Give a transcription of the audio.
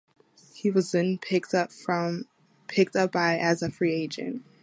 He was then picked up by as a free agent.